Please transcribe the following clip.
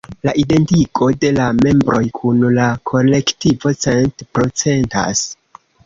La identigo de la membroj kun la kolektivo cent-procentas.